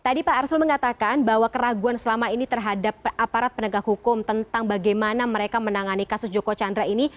tadi pak arsul mengatakan bahwa keraguan selama ini terhadap aparat penegak hukum tentang bagaimana mereka menangani kasus joko chandra ini